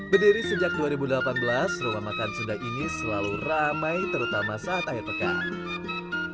berdiri sejak dua ribu delapan belas rumah makan sunda ini selalu ramai terutama saat akhir pekan